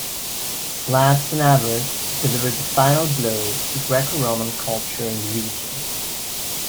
Slavs and Avars delivered the final blow to Greco-Roman culture in the region.